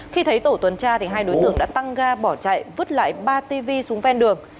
khi thấy tổ tuần tra hai đối tượng đã tăng ga bỏ chạy vứt lại ba tv xuống ven đường